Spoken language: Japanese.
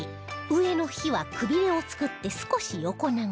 上の「日」はくびれを作って少し横長に